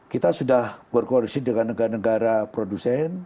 kita sudah berkoreksi dengan negara negara produsen